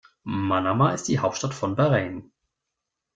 Manama ist die Hauptstadt von Bahrain.